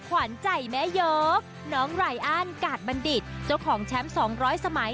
ขวัญใจแม่ยกน้องไหลอ้านกาศบัณฑิตเจ้าของแชมป์สองร้อยสมัย